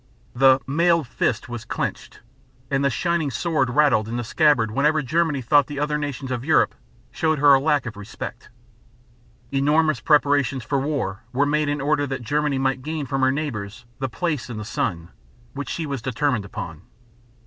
The "mailed fist" was clenched, and "the shining sword" rattled in the scabbard whenever Germany thought the other nations of Europe showed her a lack of respect. Enormous preparations for war were made in order that Germany might gain from her neighbors the "place in the sun" which she was determined upon.